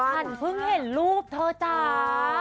ฉันเพิ่งเห็นรูปเธอจ้า